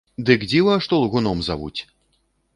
Дык дзіва, што лгуном завуць?!